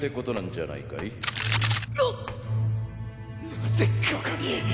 なぜここに！？